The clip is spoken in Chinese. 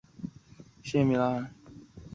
他还在西班牙效力奥沙辛拿和美国球会。